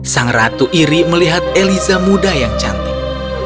sang ratu iri melihat eliza muda yang cantik